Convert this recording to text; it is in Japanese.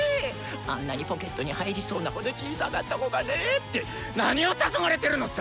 あんなにポケットに入りそうなほど小さかった子がねぇってなにをたそがれてるのっさ！